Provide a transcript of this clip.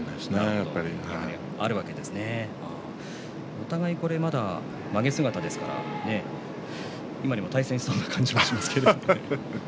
お互い、まげ姿ですから今にも対戦しそうな感じがしますけれども。